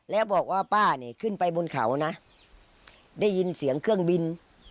แล้วบอกว่าป้านี่ขึ้นไปบนเขานะได้ยินเสียงเครื่องบิน